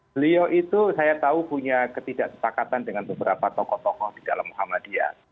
beliau itu saya tahu punya ketidaksepakatan dengan beberapa tokoh tokoh di dalam muhammadiyah